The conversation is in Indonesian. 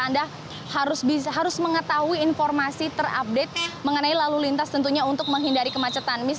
anda harus mengetahui informasi terupdate mengenai lalu lintas tentunya untuk menghindari kemacetan